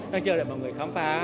nói chờ để mọi người khám phá